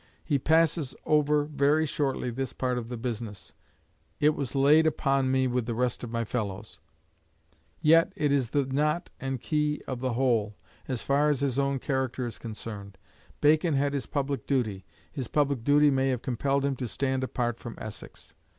He passes over very shortly this part of the business: "It was laid upon me with the rest of my fellows;" yet it is the knot and key of the whole, as far as his own character is concerned. Bacon had his public duty: his public duty may have compelled him to stand apart from Essex.